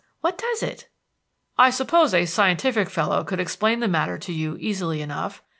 What does it?" "I suppose a scientific fellow could explain the matter to you easily enough.